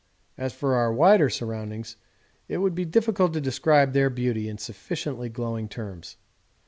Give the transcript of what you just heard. As for our wider surroundings it would be difficult to describe their beauty in sufficiently glowing terms.